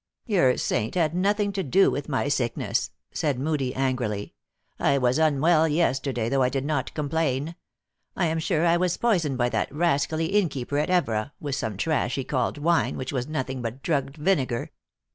" Your saint had nothing to do with my sickness," said Moodie, angrily. " I was unwell yesterday, though 1 did not complain. I am sure I was poisoned by that rascally innkeeper at Evora, with some trash he called wine, which was nothing but drugged vinegar."